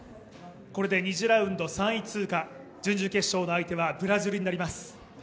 これで２次ラウンド３位通過、準々決勝の相手はブラジルになります。